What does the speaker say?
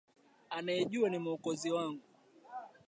Anayejua ni Mwokozi wangu.